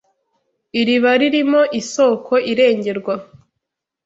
Iriba ririmo, isoko irengerwa